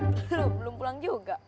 belum pulang juga